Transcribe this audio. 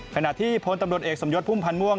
ขณะที่พลตำรวจเอกสมยศพุ่มพันธ์ม่วง